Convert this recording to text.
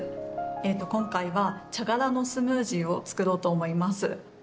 今回は、茶殻のスムージーを作ろうと思います。